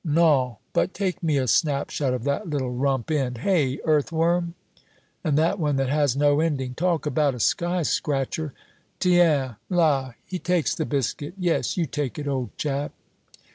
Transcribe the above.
"Non, but take me a snapshot of that little rump end! Hey, earth worm!" "And that one that has no ending! Talk about a sky scratcher! Tiens, la, he takes the biscuit. Yes, you take it, old chap!"